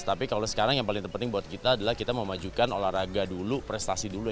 tapi kalau sekarang yang paling terpenting buat kita adalah kita memajukan olahraga dulu prestasi dulu